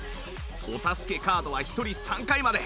お助けカードは１人３回まで